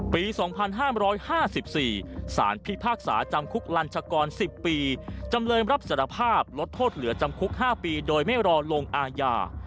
ปี๒๕๕๔สารพิพากษาจำคุกลัญชากร๑๐ปีจำเลยรับสารภาพลดโทษเหลือจำคุก๕ปีโดยไม่รอลงอาญา